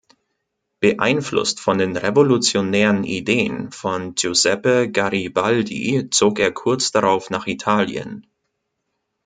Beeinflusst von den revolutionären Ideen von Giuseppe Garibaldi zog er kurz darauf nach Italien.